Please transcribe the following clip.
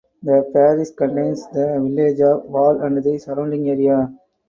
The parish contains the village of Wall and the surrounding area.